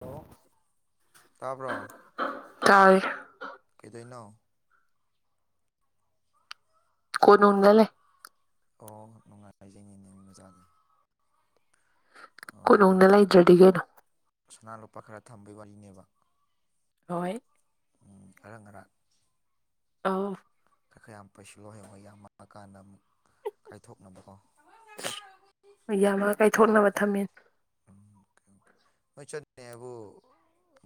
hello ꯇꯥꯕ꯭ꯔꯣ ꯇꯥꯏꯌꯦ ꯀꯩꯗꯣꯏꯅꯣ ꯀꯣꯅꯨꯡꯗ ꯂꯩ ꯑꯣ ꯅꯨꯡꯉꯥꯏꯖꯩꯅꯤꯅꯦ ꯃꯤ ꯃꯆꯥꯗꯤ ꯑꯣ ꯀꯣꯅꯨꯡꯗ ꯂꯩꯗ꯭ꯔꯗꯤ ꯀꯩꯅꯣ ꯁꯅꯥ ꯂꯨꯄꯥ ꯈꯔ ꯊꯝꯕꯒꯤ ꯋꯥꯔꯤꯅꯦꯕ ꯍꯣꯏ ꯎ ꯑꯔꯪꯒꯔꯥꯛ ꯑꯥꯎ ꯈ ꯈꯔ ꯌꯥꯝ ꯄꯩꯁꯤꯜꯂꯣ ꯍꯡꯉ ꯌꯥꯝꯃ ꯀꯥꯟꯗ ꯑꯃꯨꯛ ꯀꯥꯏꯊꯣꯛꯅꯕꯀꯣ ꯌꯥꯝꯃ ꯑꯣ ꯀꯥꯏꯊꯣꯛꯅꯕ ꯊꯝꯃꯦ [unintelligible] ꯅꯣꯏ ꯆꯠꯂꯤꯅꯦ ꯍꯥꯏꯕꯨ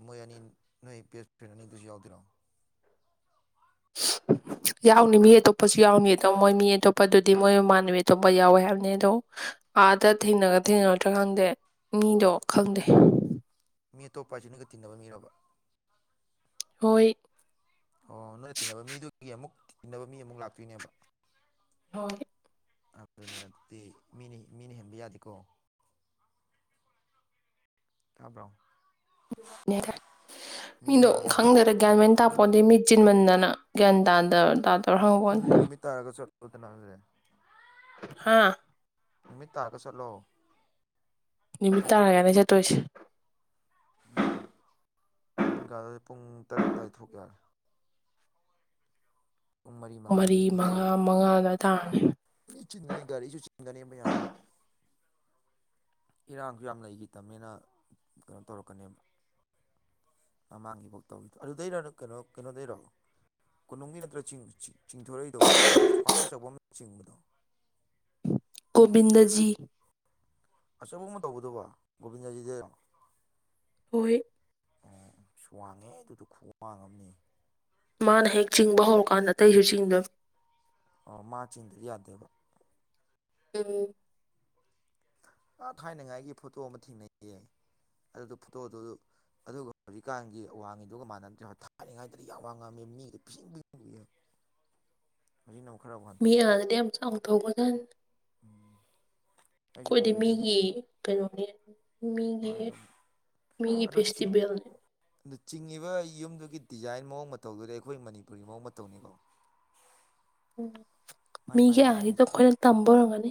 ꯃꯣꯏ ꯑꯅꯤ ꯅꯣꯏ ꯕꯦꯁꯐ꯭ꯔꯦꯟ ꯑꯅꯤꯗꯨꯁꯨ ꯌꯥꯎꯗꯣꯏꯔꫭ [inaudible] ꯌꯥꯎꯅꯤ ꯃꯤ ꯑꯇꯣꯞꯄꯁꯨ ꯌꯥꯎꯅꯤ ꯑꯗꯣ ꯃꯣꯏ ꯃꯤ ꯑꯇꯣꯞꯄ ꯑꯗꯨꯗꯤ ꯃꯣꯏ ꯏꯃꯥꯟꯅꯕꯤ ꯑꯇꯣꯞꯄ ꯌꯥꯎꯋꯦ ꯍꯥꯏꯕꯅꯤ ꯑꯗꯣ ꯑꯥꯗ ꯊꯦꯡꯅꯒ ꯊꯦꯡꯅꯔꯗ꯭ꯔꯥ ꯈꯪꯗꯦ ꯃꯤꯗꯣ ꯈꯪꯗꯦ ꯃꯤ ꯑꯇꯣꯞꯄ ꯑꯁꯤꯅꯒ ꯇꯤꯟꯅꯕ ꯃꯤꯔꯕ ꯍꯣꯏ ꯑꯣ ꯅꯣꯏꯅ ꯇꯤꯟꯅꯕ ꯃꯤꯗꯨꯒꯤ ꯑꯃꯨꯛ ꯇꯤꯟꯅꯕ ꯃꯤ ꯑꯃꯨꯛ ꯂꯥꯛꯇꯣꯏꯅꯦꯕ ꯍꯣꯏ ꯑꯗꯨꯅꯦ ꯑꯗꯨꯗꯤ ꯃꯤꯅꯤ ꯃꯤꯅ ꯍꯦꯟꯕ ꯌꯥꯗꯦꯀꯣ ꯇꯥꯕ꯭ꯔꯣ ꯃꯤꯅ ꯍꯦꯟꯕ ꯌꯥꯗꯦꯕ [unintelligible] ꯒ꯭ꯌꯥꯟ ꯃꯦꯟ ꯇꯥꯄꫭꯇꯦ ꯃꯤ ꯆꯤꯟꯃꯟꯗꯅ ꯒ꯭ꯌꯥꯟ ꯇꯥꯗ ꯇꯥꯗ ꯑꯗꯨꯗꯤ ꯅꯨꯃꯤꯠ ꯇꯥꯔꯒ ꯆꯠꯂꯨꯗ ꯑꯗꯨꯗꯤ ꯍꯥꯥ ꯅꯨꯃꯤꯠ ꯇꯥꯔꯒ ꯆꯠꯂꯣ ꯅꯨꯃꯤꯠ ꯇꯥꯔꯒꯥꯏꯅ ꯆꯠꯇꯣꯏꯁꯦ ꯎꯝ ꯄꯨꯡ ꯀ ꯄꯨꯡ ꯇꯔꯨꯛ ꯑꯗꯨꯗꯥꯏ ꯊꯣꯛꯀꯦ ꯍꯥꯏꯔꯦ ꯄꯨꯡ ꯄ ꯃꯔꯤ ꯃꯉꯥꯗꯒꯤꯗꯤ ꯃꯤ ꯆꯤꯟ ꯃꯉꯥ ꯃꯉꯥꯗ ꯇꯥꯦ ꯆꯤꯟꯒꯅꯤ ꯒꯥꯔꯤꯁꯨ ꯆꯤꯟꯒꯅꯤ ꯃꯌꯥꯝꯅ ꯏꯔꯥꯡꯁꯨ ꯌꯥꯝ ꯂꯩꯈꯤꯇꯕꯅꯤꯅ ꯀꯩꯅꯣ ꯇꯧꯔꯛꯀꯅꯦꯕ ꯃꯃꯥꯡꯒꯤꯐꯧ ꯇꯧꯔꯤꯗꯣ ꯑꯗꯨꯗꯩꯔꯣ ꯀꯩꯅꯣ ꯀꯩꯅꯣꯗꯩꯔꯛꯣ ꯀꯣꯅꯨꯡꯒꯤ ꯅꯠꯇ꯭ꯔ ꯆꯤꯡ ꯆꯤꯡꯊꯣꯔꯛꯏꯗꯧꯕ ꯈ꯭ꯋꯥꯏ ꯑꯆꯧꯕ ꯑꯃ ꯆꯤꯡꯕ ꯒꫭꯕꯤꯟꯗꯖꯤ ꯑꯆꯧꯕ ꯑꯃ ꯇꯧꯕꯗꯕꯨ ꯒꯣꯕꯤꯟꯗꯖꯤꯗꯩꯔꫭ ꯍꯣꯏ ꯁ ꯋꯥꯡꯉꯦ ꯑꯗꯨꯗ ꯈꯋꯥꯡꯉꯝꯅꯤ ꯃꯥꯅ ꯍꯦꯛ ꯆꯤꯡꯕ ꯍꯧꯔꯀꯥꯟꯗ ꯑꯇꯩꯁꯨ ꯆꯤꯡꯗꯣꯏꯕ ꯑꯣ ꯃꯥ ꯆꯤꯡꯗ ꯌꯥꯗꯦꯕ ꯑꯝ ꯑꯥ ꯊꯥꯏꯅꯉꯥꯏꯒꯤ ꯐꯣꯇꯣ ꯑꯃ ꯊꯦꯡꯅꯩꯌꯦ ꯑꯗꯨꯗ ꯐꯣꯇꯣꯗꯨ ꯑꯗꯨꯒ ꯍꯧꯖꯤꯛꯀꯥꯟꯒꯤ ꯑꯋꯥꯡꯉꯤꯗꯨꯒ ꯃꯥꯟꯅꯗ꯭ꯔꯦ ꯊꯥꯏꯔꯤꯉꯩꯗꯗꯤ ꯌꯥꯝ ꯋꯥ ꯉꯥꯡꯝꯃꯤꯕ ꯃꯤꯗ ꯄꯤꯁꯤꯟ ꯄꯕ [inaudible] ꯍꯧꯖꯤꯛ ꯅꯝ ꯈꯔꯥꯎ ꯋꯥ ꯃꯤ ꯑꯜꯗ ꯌꯥꯝꯁꯨ ꯑꯊꯒ ꯎꯝ ꯑꯩꯈꯣꯏꯗꯤ ꯃꯤꯒꯤ ꯀꯩꯅꯣꯅꯦ ꯃꯤꯒꯤ ꯃꯥꯅ ꯇꯧꯕ ꯃꯤꯒꯤ ꯐꯦꯁꯇꯤꯚꯦꯜꯅꯦ ꯑꯗ ꯆꯤꯡꯉꯤꯕ ꯌꯨꯝꯗꯨꯒꯤ ꯗꯤꯖꯥꯏꯟ ꯃꯑꯣꯡ ꯃꯇꯧꯗꯨꯗꯤ ꯑꯩꯈꯣꯏ ꯃꯅꯤꯄꯨꯔꯒꯤ ꯃꯑꯣꯡ ꯃꯇꯧꯅꯤꯀꯣ ꯎꯝ ꯃꯥꯏ ꯃꯥꯏ ꯃꯤꯒꯤ ꯂꯝꯒꯤ ꯑꯥꯔꯤꯗꯣ ꯑꯩꯈꯣꯏꯅ ꯇꯝꯕꯔꯝꯒꯅꯤ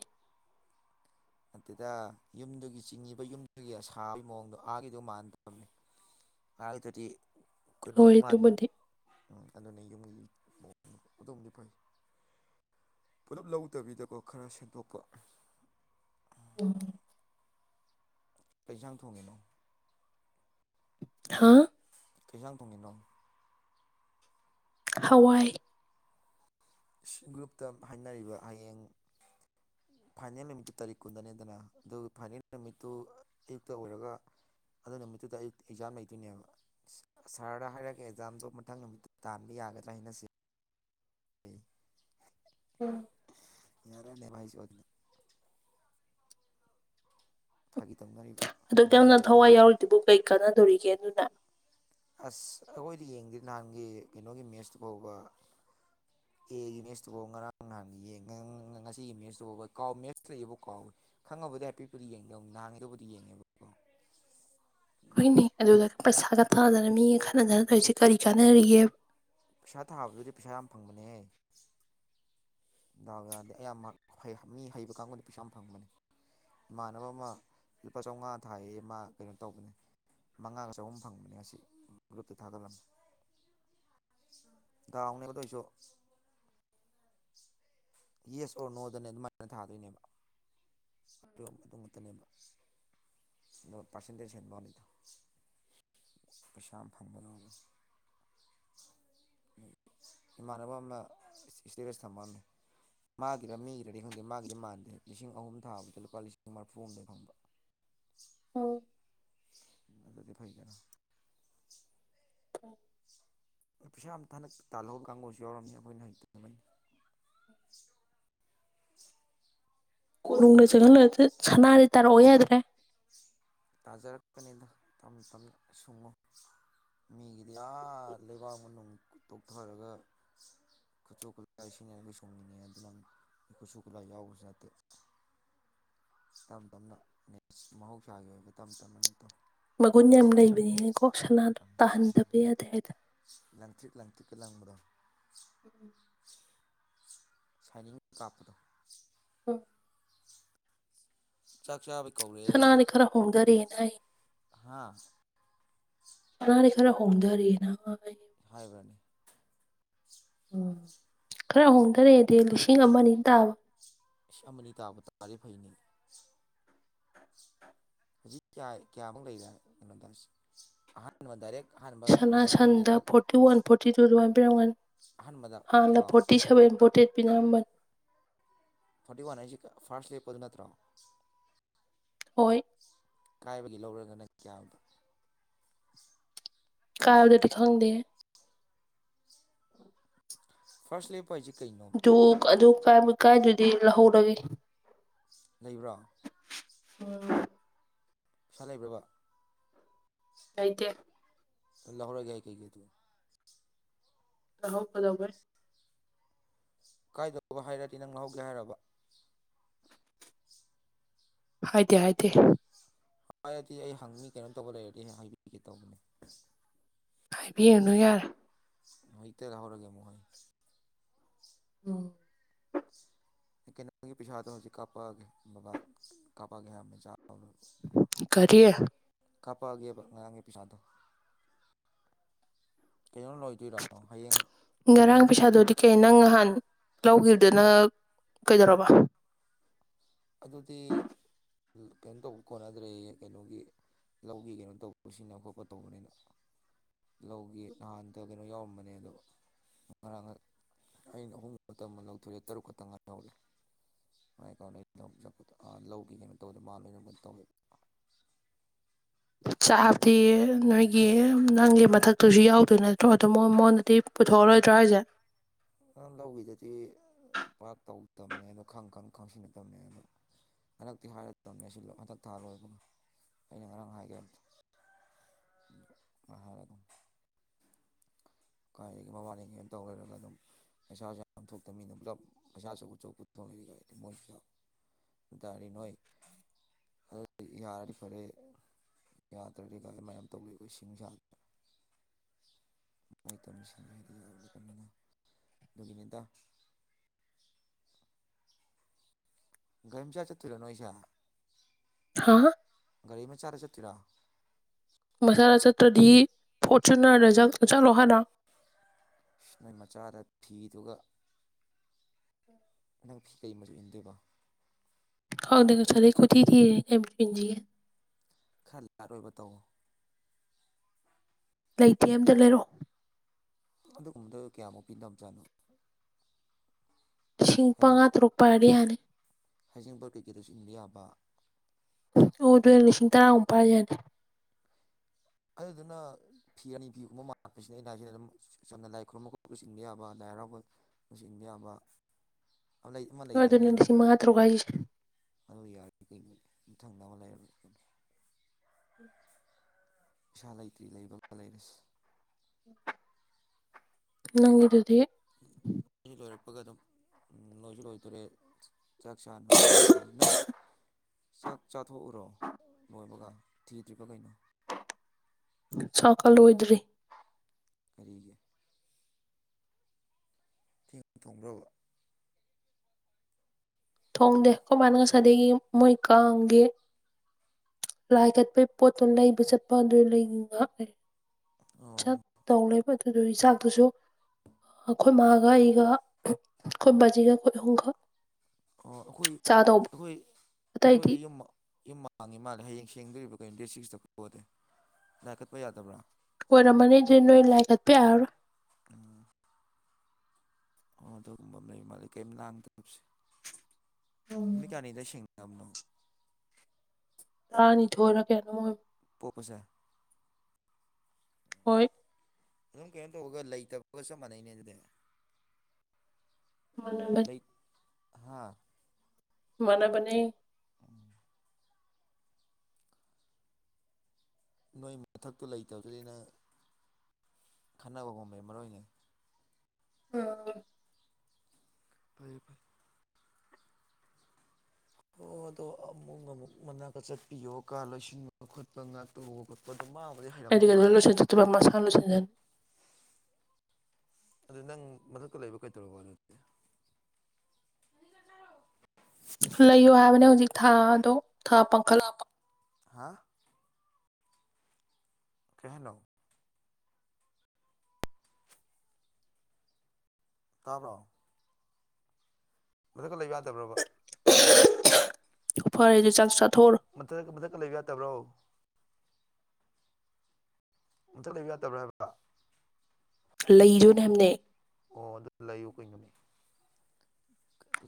ꯑꯗꯨꯗ ꯌꯨꯝꯗꯨꯒꯤ ꯆꯤꯡꯉꯤꯕ ꯌꯨꯝꯗꯨꯒꯤ ꯑ ꯁꯥꯥꯕꯒꯤ ꯃꯑꯣꯡꯗꯣ ꯑꯥꯒꯤꯗꯣ ꯃꯥꯟꯅꯗꯕꯅꯤ ꯍꯥꯏ ꯇꯗꯤ ꯀꯩꯅꯣꯃꯅꯤ ꯂꯣꯏꯔꯤꯗꯨꯕꯨꯗꯤ ꯎꯝ ꯑꯗꯨꯅ ꯌꯨꯝꯒꯤ ꯑꯗꯨꯗꯣꯝꯗꯤ ꯐꯩ ꯄꯨꯂꯞ ꯂꯧꯗꯕꯤꯗꯀꯣ ꯈꯔ ꯁꯦꯝꯗꯣꯛꯄ ꯑꯣ ꯀꯩꯁꯥꯡ ꯊꯣꯡꯉꯤꯅꯣ ꯍꯥꯥ ꯀꯩꯁꯥꯡ ꯊꯣꯡꯉꯤꯅꯣ ꯍꯋꯥꯏ ꯒ꯭ꯔꯨꯞꯇ ꯍꯥꯏꯅꯔꯤꯕ ꯍꯌꯦꯡ ꯐꯥꯏꯅꯦꯜ ꯅꯨꯃꯤꯠꯇꯨ ꯇꯥꯔꯤꯛ ꯀꯨꯟꯗꯅꯦꯗꯅ ꯑꯗꯨꯒ ꯐꯥꯏꯅꯦꯜ ꯅꯨꯃꯤꯠꯇꯨ ꯑꯌꯨꯛꯇ ꯑꯣꯏꯔꯒ ꯑꯗꯨ ꯅꯨꯃꯤꯠꯇꯨꯗ ꯑꯌꯨꯛꯇ ꯑꯦꯛꯖꯥꯝ ꯂꯩꯗꯣꯏꯅꯦꯕ ꯁꯥꯔꯗ ꯍꯥꯏꯔꯛꯒꯦ ꯑꯦꯛꯖꯥꯝꯗꯣ ꯃꯊꯪ ꯅꯨꯃꯤꯠꯇ ꯇꯥꯟꯕ ꯌꯥꯒꯗ꯭ꯔꯥ ꯍꯥꯏꯅꯁꯤ ꯎꯝ ꯌꯥꯔꯦ ꯂꯦ ꯍꯥꯏꯁꯣ ꯑꯗꯨꯅ ꯐꯥꯒꯤ ꯇꯧꯅꯔꯤꯕ ꯑꯗꯨꯛ ꯃꯌꯥꯝꯗꯨ ꯌꯥꯝꯅ ꯂ ꯌꯦꯡ ꯊꯋꯥꯏ ꯉꯅꯤ ꯌꯥꯎꯔꯤꯗꯨꯕꯨ ꯀꯩ ꯀꯥꯟꯅꯗꯧꯔꯤꯒꯦ ꯑꯗꯨꯅ ꯑꯁ ꯑꯩꯈꯣꯏꯗꯤ ꯌꯦꯡꯗꯦ ꯅꯍꯥꯟꯒꯤ ꯀꯩꯅꯣꯒꯤ ꯃꯦꯁꯇꯨ ꯐꯥꯎꯕ ꯑꯦꯒꯤ ꯃꯦꯠꯁꯇꯨꯐꯥꯎ ꯉꯔꯥꯡ ꯅꯍꯥꯟ ꯌꯦꯡ ꯉꯁꯤꯒꯤ ꯃꯦꯠꯁꯇꯨꯐꯥꯎꯕ ꯀꯥꯎ ꯃꯦꯠꯁ ꯂꯩꯌꯦꯕ ꯀꯥꯎꯋꯦ ꯈꯪꯉꯕꯕꯨꯗꯤ ꯍꯥꯏꯐꯦꯄꯨꯗꯤ ꯌꯦꯡꯗꯧ ꯅꯍꯥꯟꯉ ꯑꯗꯨꯕꯨꯗꯤ ꯌꯦꯡꯉꯦꯕꯀꯣ ꯍꯏꯅꯤ ꯑꯗꯨꯒ ꯄꯩꯁꯥꯒ ꯇꯥꯗꯅ ꯃꯤꯒ ꯈꯠꯅꯗꯅ ꯇꯧꯔꯤꯁꯦ ꯀꯔꯤ ꯀꯥꯟꯅꯔꯤꯒꯦꯕ ꯄꯩꯁꯥ ꯊꯥꯕꯗꯨꯗꯤ ꯄꯩꯁꯥ ꯌꯥꯝ ꯐꯪꯕꯅꯦꯍ ꯗꯥꯎ ꯌꯥꯔꯗꯤ ꯑꯌꯥꯝꯕ ꯃꯤ ꯍꯩꯕ ꯀꯥꯡꯕꯨꯗꯤ ꯄꯩꯁꯥ ꯌꯥꯝ ꯐꯪꯕꯅꯤ ꯏꯃꯥꯟꯅꯕ ꯑꯃ ꯂꯨꯄꯥ ꯆꯧꯉꯥ ꯊꯥꯏꯌꯦ ꯃꯥ ꯀꯩꯅꯣ ꯇꯧꯕꯅꯦ ꯃꯉꯥꯒ ꯆꯍꯨꯝ ꯐꯪꯕꯅꯦ ꯑꯁꯤ ꯒ꯭ꯔꯨꯞꯇ ꯊꯥꯒꯠꯂꯝꯃꯤ ꯗꯥꯎꯅꯦ ꯗꯣꯢꯁꯨ ꯌꯦꯁ ꯑꯣꯔ ꯅꯣꯗꯅꯦ ꯑꯗꯨꯃꯥꯏꯅ ꯊꯥꯗꯣꯏꯅꯦꯕ ꯐꯝ ꯑꯗꯨꯃꯛꯇꯅꯦꯕ ꯢꯁꯅꯣꯠ ꯄꯔꯁꯦꯟꯇꯦꯖ ꯍꯦꯠꯕ ꯋꯥꯠꯂꯤꯗ ꯄꯩꯁꯥꯝ ꯐꯪꯕ ꯂꯣꯕ ꯏꯃꯥꯟꯅꯕ ꯑꯃ ꯏꯁꯇꯦꯔꯦꯁ ꯊꯥꯝꯑꯝꯃꯤ ꯃꯥꯒꯤꯔ ꯃꯤꯒꯤꯔꯗꯤ ꯈꯪꯗꯦ ꯃꯥꯒꯤꯗꯤ ꯃꯥꯟꯗꯦ ꯂꯤꯁꯤꯡ ꯑꯍꯨꯝ ꯊꯥꯕꯗ ꯂꯨꯄꯥ ꯂꯤꯁꯤꯡ ꯃꯔꯔꯤꯐꯨ ꯍꯨꯝꯗꯣꯢ ꯐꯪꯕ ꯎꯝ ꯎꯝ ꯑꯗꯨꯗꯤ ꯐꯩꯗꯅ ꯄꯩꯁꯥ ꯌꯥꯝ ꯊꯥꯅ ꯇꯥꯜꯍꯧꯕ ꯀꯥꯡꯕꯨꯁꯨ ꯌꯥꯎꯔꯝꯃꯤ ꯑꯩꯈꯣꯏꯅ ꯍꯩꯇꯅꯤ ꯀꯣꯅꯨꯡꯗ ꯆꯪꯍꯜꯂꯗꯤ ꯁꯅꯥꯗꯤ ꯇꯥꯔꯛꯑꯣ ꯌꯥꯗ꯭ꯔꯦ ꯇꯥꯖꯔꯛꯄꯅꯤꯗ ꯇꯞ ꯇꯞꯅ ꯁꯨꯡꯉꯨ ꯃꯤꯒꯤꯗꯤ ꯑꯥ ꯂꯩꯕꯥꯛ ꯃꯅꯨꯡ ꯇꯣꯛꯊꯔꯒ ꯈꯨꯠꯁꯨ ꯈꯨꯠꯂꯥꯏ ꯁꯤꯖꯤꯟꯅꯔꯒꯤ ꯁꯨꯡꯉꯤꯅꯦ ꯑꯗꯨꯅ ꯈꯨꯠꯁꯨ ꯈꯨꯠꯂꯥꯏ ꯌꯥꯎꯕꯁꯨ ꯅꯠꯇꯦ ꯇꯞ ꯇꯞꯅ ꯃꯍꯧꯁꯥꯒꯤ ꯑꯣꯏꯕ ꯇꯞ ꯇꯞꯅ ꯑꯗꯨ ꯇꯧ ꯃꯒꯨꯟ ꯌꯥꯝ ꯂꯩꯕꯅꯤꯅꯦ ꯀꯣꯛ ꯁꯅꯥꯗꯣ ꯇꯥꯍꯟꯗꯕ ꯌꯥꯗꯦ ꯍꯥꯏꯗ ꯂꯡꯊ꯭ꯔꯤꯛ ꯂ꯭ꯡꯊ꯭ꯤꯛꯛꯀ ꯂꯡꯕꯗꯣ ꯎꯝ ꯁꯥꯏꯅꯤꯡ ꯀꯥꯞꯄꯗꯣ ꯑꯣ ꯆꯥꯛ ꯆꯥꯕꯩ ꯀꯧꯔꯦ ꯑꯗꯣ ꯁꯅꯥꯗꯤ ꯈꯔ ꯍꯣꯡꯗꯔꯦꯅ ꯍꯥꯏ ꯍꯥ ꯁꯅꯥꯗꯤ ꯈꯔ ꯍꯣꯡꯗꯔꯦꯅ ꯍꯥꯢ ꯍꯥꯏꯕ꯭ꯔꯅꯦ ꯎꯝ ꯈꯔ ꯍꯣꯡꯗꯔꯦꯗꯤ ꯂꯤꯁꯤꯡ ꯑꯃ ꯑꯅꯤ ꯇꯥꯕ ꯑꯁꯤ ꯑꯃꯅꯤ ꯇꯥꯕꯨ ꯇꯥꯔꯗꯤ ꯐꯩꯅꯦ ꯍꯧꯖꯤꯛ ꯀꯌꯥ ꯀꯌꯥꯃꯨꯛ ꯂꯩꯕꯦ ꯑꯅꯣꯗꯥꯁ ꯑ ꯑꯍꯥꯟꯕ ꯗꯥꯏꯔꯦꯛ ꯍꯥꯟꯕ ꯁꯅꯥ ꯃꯇꯨꯝꯗꯩ ꯁꯟꯗ ꯀꯛ ꯐꯣꯔꯇꯤ ꯋꯥꯟ ꯐꯣꯔꯇꯤ ꯇꯨ ꯑꯗꯨꯃꯥꯏꯅ ꯄꯤꯔꯝꯒꯅꯤ ꯑꯍꯟꯕꯗ ꯀꯣ ꯍꯥꯟꯅ ꯐꯣꯔꯇꯤ ꯁꯚꯦꯟ ꯐꯣꯔꯇꯤ ꯑꯩꯠ ꯄꯤꯅꯔꯝꯕꯅꯤ ꯐꯣꯔꯇꯤ ꯋꯥꯟ ꯍꯥꯢꯁꯦ ꯐꯥꯁ ꯂꯦꯞꯄ ꯗꯨ ꯅꯠꯇ꯭ꯔꯣ ꯍꯣꯏ ꯀꯥꯏꯕꯒꯤ ꯂꯧꯔꯒꯅ ꯀꯌꯥꯗꯣ ꯀꯥꯏꯕꯗꯗꯤ ꯈꯪꯗꯦ ꯐꯥꯁ ꯂꯦꯞꯄ ꯁꯦ ꯀꯩꯅꯣ ꯑꯗꯨ ꯑꯗꯨ ꯀ ꯀꯥꯏꯗꯨꯗꯤ ꯂꯧꯍꯧꯔꯒꯦ ꯂꯩꯕ꯭ꯔꯣ ꯑꯣꯝ ꯄꯩꯁꯥ ꯂꯩꯕ꯭ꯔꯕ ꯂꯩꯩꯗꯤꯦ ꯑꯜꯍꯔꯒꯦ ꯀꯩꯒꯦ ꯇ ꯀ ꯍꯧ ꯀꯗꯕ ꯀꯥꯏꯗꯧꯕ ꯍꯥꯏꯔꯗꯤ ꯅꯪ ꯂꯧꯍꯧꯒꯦ ꯍꯥꯏꯔꯕ ꯍꯥꯏꯗꯦ ꯍꯥꯏꯗꯦ ꯍꯥꯏꯔꯗꯤ ꯑꯩ ꯍꯪꯅꯤ ꯀꯩꯅꯣꯝ ꯇꯧꯕ ꯂꯩꯔꯗꯤ ꯍꯌꯦꯡ ꯍꯥꯏꯕꯤꯒꯦ ꯇꯧꯕꯅꯦ ꯍꯥꯏꯕꯤꯌꯥꯅꯨ ꯌꯥꯔꯦ ꯃꯩꯇ ꯔꯍꯧꯔꯒꯦꯃꯣꯍꯣꯏ ꯑꯣ ꯀꯩꯅꯣꯒꯤ ꯄꯩꯁꯥꯗ ꯍꯧꯖꯤꯛ ꯀꯥꯞꯄꯑꯒꯦ ꯕꯕꯥ ꯀꯥꯞꯄꯑꯒꯦ ꯍꯥꯢꯔꯝꯕ ꯆꯥꯑꯣ ꯀꯔꯤꯦ ꯀꯥꯞꯄꯛꯑꯒꯦꯕ ꯉꯔꯥꯡꯒꯤ ꯄꯩꯁꯥꯗꯣ ꯀꯩꯅꯣ ꯂꯣꯏꯗꯣꯏꯔꯣ ꯍꯌꯦꯡ ꯉꯔꯥꯡ ꯃꯊꯪ ꯄꯩꯁꯥꯗꯨꯣꯗꯤ ꯀꯩ ꯅꯪ ꯅꯍꯥꯟ ꯂꯧꯈꯤꯕꯗꯨꯅ ꯀꯩꯗꯧꯔꯕ ꯑꯗꯨꯗꯤ ꯀꯩꯅꯣ ꯇꯧꯕ ꯀꯣꯟꯅꯗ꯭ꯔꯦ ꯀꯩꯅꯣꯒꯤ ꯂꯧꯒꯤ ꯀꯩꯅꯣ ꯇꯧꯕ ꯁꯤꯅ ꯈꯣꯠꯄ ꯇꯧꯕꯅꯤꯅ ꯂꯧꯒꯦ ꯅꯍꯥꯟꯗ ꯀꯩꯅꯣ ꯌꯥꯎꯔꯝꯕꯅꯦ ꯑꯗꯣ ꯉꯔꯥꯡ ꯑꯩꯅ ꯑꯍꯨꯝ ꯃꯇꯝ ꯑꯃ ꯂꯧꯊꯣꯛꯌꯦ ꯇꯔꯨꯛ ꯈꯛꯇꯪ ꯉꯥꯏꯍꯧꯔꯦ ꯀ ꯂꯧꯈꯤꯅꯦꯅ ꯇꯧꯕꯗ ꯃꯥꯜꯂꯣꯏ ꯇꯧꯒ [inaudible] ꯂꯧ ꯆꯥꯛꯇꯤ ꯅꯣꯏꯒꯤ ꯅꯪꯒꯤ ꯃꯊꯛꯇꯨꯁꯨ ꯌꯥꯎꯗꯣꯏ ꯅꯠ ꯇ꯭ꯔꯣ ꯑ [inaudible] ꯗꯨ ꯃꯣꯏ ꯃꯉꯣꯟꯗꯗꯤ ꯄꯨꯊꯣꯛꯑꯔꯣꯏꯗ꯭ꯔꯥ ꯍꯥꯏꯁꯦ ꯅꯪ ꯂꯧꯋꯤꯗꯨꯗꯤ ꯃꯥ ꯇꯧꯗꯕꯅꯦ ꯈꯪ ꯈꯪ ꯈꯪꯁꯤꯟꯅꯗꯕꯅꯦ ꯑꯗꯨ ꯍꯟꯗꯛꯇꯤ ꯍꯥꯏꯔꯗꯕꯅꯦ ꯁꯤ ꯍꯟꯗꯛ ꯊꯥꯔꯣꯏꯕꯅ ꯑꯩꯅ ꯉꯔꯥꯡ ꯍꯥꯏꯒꯦ ꯑ ꯀꯥꯏꯗꯒꯤ ꯃꯃꯥꯡꯗꯒꯤꯗꯒꯤꯝ ꯇꯧ ꯂꯩꯔꯒ ꯑꯗꯨꯝ ꯄꯩꯁꯥꯁꯨ ꯌꯥꯝ ꯊꯣꯛꯇꯅꯤꯅ ꯄꯨꯂꯞ ꯄꯩꯁꯥꯁꯨꯧꯧꯕꯆꯧ ꯄꯨꯊꯣꯛꯅꯔꯤꯒꯗꯤ ꯃꯣꯏ ꯄꯨꯂꯞ ꯇꯔꯤ ꯅꯣꯏ ꯑꯗꯨ ꯌꯥꯔꯗꯤ ꯐꯔꯦ ꯌꯥꯗ꯭ꯔꯗꯤ ꯀꯥꯏ ꯃꯌꯥꯝ ꯇꯧꯔ ꯑꯩꯈꯣꯏ ꯁꯤꯡꯁꯗ꯭ꯔꯅ ꯃꯣꯏ ꯇꯧꯃꯤꯁ ꯍꯥꯏꯗꯤ ꯌꯧꯔꯔꯕꯅꯤꯅ ꯑꯗꯨꯒꯤꯅꯦꯗ ꯒꯟꯖꯥ ꯆ ꯇꯤꯔꯅꯣꯖ ꯍꯥꯥ ꯒꯥꯔꯤ ꯃꯆꯥꯗ ꯆꯠꯇꯣꯏꯔꯥ ꯃꯆꯥꯗ ꯆꯠꯇ꯭ꯔꯗꯤ ꯐꯣꯔꯆꯨꯅꯔꯗ ꯆꯠꯂꯣ ꯍꯥꯢꯔꯣ ꯅꯣꯏ ꯃꯆꯥꯗ ꯐꯤꯗꯨꯒ ꯅꯪ ꯐꯤ ꯀꯩ ꯃꯆꯨ ꯏꯟꯗꯣꯏꯕ ꯈꯪꯗꯦ ꯉꯥꯁꯥꯏꯗꯩ ꯀꯣꯏꯊꯤ ꯊꯤꯔꯤ ꯈꯔ ꯂꯥꯠꯣꯏꯕ ꯇꯧꯋꯣ [inaudible] ꯂꯩꯇꯦ ꯑꯝꯇ ꯂꯩꯔꯛꯑꯣ ꯑꯗꯨꯒꯨꯝꯕꯗꯣ ꯀꯌꯥꯃꯨꯛ ꯄꯤꯅꯕꯆꯥꯠꯅꯣ ꯂꯤꯁꯤꯡ ꯃꯉꯥ ꯇꯔꯨꯛ ꯄꯥꯏꯔꯗꯤ ꯌꯥꯅꯤ ꯍꯩꯖꯦꯡꯕꯣꯠ ꯀꯩꯀꯩꯗꯁꯨ ꯏꯟꯕ ꯌꯥꯕ ꯑꯣ ꯑꯗꯨꯅ ꯂꯤꯁꯤꯡ ꯇꯔꯥꯃꯨꯛ ꯄꯥꯏ ꯌꯥꯅꯤ ꯑꯗꯨꯗꯨꯅ ꯐꯤ ꯑꯅꯤ ꯐꯤꯒꯨꯝꯕ ꯃꯥꯛꯄꯁꯤꯅ ꯑꯩꯅꯥꯏꯁꯤꯗ ꯑꯗꯨꯝ ꯆꯝꯅ ꯂꯥꯏ ꯈꯨꯣꯏꯔꯨꯝꯝꯕ ꯈꯣꯠꯂꯒ ꯆꯤꯡꯕ ꯌꯥꯕ ꯂꯥꯏ ꯍꯔꯥꯎꯕ [inaudible] ꯅ ꯢꯤꯟꯕ ꯌꯥꯕꯥ ꯑꯃ ꯍꯣꯏ ꯂꯩꯗꯥꯏꯅꯦ ꯑꯗꯨꯅ ꯑꯗꯨꯝ ꯂꯤꯁꯤꯡ ꯃꯉꯥ ꯇꯔꯨꯛ ꯍꯥꯏꯁꯦ ꯑꯗꯨ ꯌꯥꯔꯗꯤ ꯀꯩꯅꯣ ꯃꯊꯪ ꯃꯊꯪ ꯂꯩꯔ ꯔꯣꯏ ꯀꯩꯅꯣ ꯄꯩꯁꯥ ꯂꯩꯇ꯭ꯔꯤ ꯂꯩꯕꯒ ꯑꯃ ꯂꯩꯔꯁꯤ ꯅꯪꯒꯤꯗꯨꯗꯤ ꯁꯤ ꯂꯣꯏꯔꯛꯄꯒ ꯑꯗꯨꯝ ꯂꯣꯏꯁꯨ ꯂꯣꯏꯗꯣꯔꯦ ꯆꯥꯛ ꯆꯥꯅꯕ ꯇꯧꯔꯕꯅꯤ ꯅꯪ ꯆꯥꯛ ꯆꯥꯊꯣꯛꯎꯔꯣ ꯂꯣꯏꯕꯒ ꯊꯤꯗ꯭ꯔꯤꯕ ꯀꯩꯅꯣ ꯆꯥꯛꯀ ꯂꯣꯏꯗ꯭ꯔꯤ ꯀꯔꯤꯒꯤ ꯊꯦꯡꯅ ꯊꯣꯡꯕ꯭ꯔꯕꯥ ꯊꯣꯡꯗꯦ ꯈꯣꯢ ꯃꯥꯅ ꯉꯁꯥꯢꯗꯒꯤ ꯃꯣꯏ ꯀꯥꯡꯒꯤ ꯂꯥꯏ ꯀꯠꯄꯩ ꯄꯣꯠꯇꯣ ꯂꯩꯕ ꯆꯠꯄ ꯑꯗꯨ ꯂꯩ ꯑꯣ ꯆꯠꯇꯧ ꯂꯩꯕ ꯑꯗꯨꯗꯨꯒꯤ ꯆꯥꯛꯇꯨꯁꯨ ꯑꯩꯈꯣꯏ ꯃꯥꯥꯒ ꯑꯩꯒ ꯑꯩꯈꯣꯏ ꯕꯥꯖꯤꯒ ꯑꯩꯈꯣꯏ ꯑꯍꯨꯝꯈꯥꯛ ꯑꯣ ꯑꯩꯈꯣꯏ ꯑꯩꯈꯣꯏ ꯑꯇꯩꯗꯤ ꯑꯩꯈꯣꯏꯗꯤ ꯌꯨꯝ ꯍꯥꯡꯉꯤ ꯃꯥꯜꯂꯦ ꯍꯌꯦꯡ ꯁꯦꯡꯗꯣꯔꯤꯕ ꯀꯩꯅꯣ ꯗꯦꯠ ꯁꯤꯛꯁꯇ ꯄꯣꯗꯦ ꯂꯥꯏ ꯀꯠꯄ ꯌꯥꯗꯕ꯭ꯔꯥ ꯑꯣꯏꯔꯝꯃꯅꯤ ꯗꯨꯗꯤ ꯅꯣꯏ ꯂꯥꯏ ꯀꯠꯄ ꯌꯥꯔꯔꯣꯢ ꯎꯥ ꯑꯣ ꯑꯗꯨꯒꯨꯝꯕ ꯑꯃ ꯂꯩ ꯃꯥꯜꯂꯤ ꯀꯔꯤꯝ ꯂꯥꯡꯗꯕꯁꯦ ꯎꯝ ꯅꯨꯃꯤꯠ ꯀꯌꯥꯅꯤꯗ ꯁꯦꯡꯅꯕꯅꯣ ꯇꯔꯥ ꯊꯣꯏꯔ ꯀꯩꯅꯣꯝ ꯑꯣꯏꯕꯅꯦ ꯄꯣꯞꯄꯁꯦ ꯍꯣꯏ ꯑꯗꯨꯝ ꯀꯩꯅꯣ ꯇꯧꯔꯒ ꯂꯩꯇꯕꯒ ꯆꯞ ꯃꯥꯟꯅꯩꯅꯦ ꯑꯗꯨꯗꯤ ꯃꯥꯟꯅꯕ ꯂꯩꯛ ꯍꯥꯥ ꯃꯥꯟꯅꯕꯅꯦ ꯎꯝ ꯅꯣꯏ ꯃꯊꯛꯇꯨ ꯂꯩꯇꯕꯗꯨꯗꯩ ꯅꯪ ꯈꯟꯅ ꯍꯧꯕꯝ ꯂꯩꯔꯝꯃꯔꯣꯏꯅꯦ ꯎꯝ [inaudible] ꯐꯩꯌꯦ ꯐꯩꯌꯦ ꯑꯣ ꯑꯗꯣ ꯑꯃꯨꯛ ꯑꯃꯨꯛ ꯃꯅꯥꯛꯇ ꯆꯠꯄꯤꯌꯣ ꯀꯥ ꯂꯣꯏꯁꯤꯟꯕ ꯈꯣꯠꯄ ꯉꯥꯛ ꯇꯨ ꯈꯣꯠ [inaudible] ꯄꯗꯣ ꯃꯥꯡꯕꯨꯗꯤ ꯍꯩꯔꯝꯗꯧ ꯃꯥꯜꯂꯤꯗꯣ ꯆꯥꯠꯂꯣ ꯃꯁꯥꯅ ꯂꯣꯢꯖꯤꯟꯆꯅꯤ ꯑꯗꯨ ꯅꯪ ꯃꯊꯛ ꯂꯩꯕ ꯀꯩꯗꯧꯔꯕ ꯑꯗꯨꯗꯤ ꯂꯩꯌꯣ ꯍꯥꯏꯕꯅꯦ ꯍꯧꯖꯤꯛ ꯊꯥꯗꯣ ꯊꯥ ꯄꯥꯡꯈꯠꯂ [unintelligible] ꯍꯥ ꯀꯩꯍꯥꯏꯅꯣ ꯇꯥꯕ꯭ꯔꯣ ꯃꯊꯛꯇ ꯂꯩꯕ ꯌꯥꯗꯕ꯭ꯔꯕ ꯐꯔꯦꯗꯤ ꯆꯥꯛ ꯆꯥꯊꯣꯛꯎꯔꯣ ꯃꯊꯛ ꯃꯊꯛꯇ ꯂꯩꯕ ꯌꯥꯗꯕ꯭ꯔꯣ ꯃꯊꯛ ꯂꯩꯕ ꯌꯥꯗꯕ꯭ꯔꯥ ꯍꯥꯏꯕ ꯂꯩꯖꯨꯅꯦ ꯍꯥꯏꯝꯅꯦ ꯑꯣ ꯑꯗꯨ ꯂꯩꯥꯎ ꯀꯩꯅꯣꯅꯦ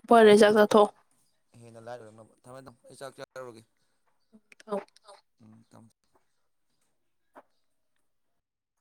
ꯀ ꯐꯔꯦ ꯆꯥꯛ ꯀꯨꯝꯃꯤꯡꯒꯗ ꯆꯥꯊꯣꯛꯑꯣ ꯍꯦꯟꯅ ꯂꯥꯏꯠ ꯑꯣꯏꯔꯛꯅꯕ ꯊꯃꯦ ꯊꯝ ꯑꯩ ꯆꯥꯛ ꯆꯥꯔꯣꯒꯦ ꯑꯧ ꯎꯝ ꯊꯝ